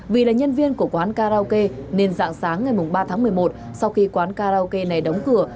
vì là nhân viên của quán karaoke nên dạng sáng ngày ba tháng một mươi một sau khi quán karaoke này đóng cửa